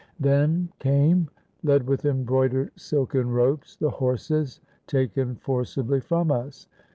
' Then came, led with embroidered silken ropes, the horses taken forcibly from us.